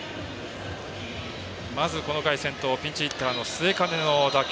まずこの回先頭ピンチヒッターの末包の打球。